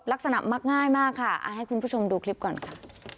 มักง่ายมากค่ะให้คุณผู้ชมดูคลิปก่อนค่ะ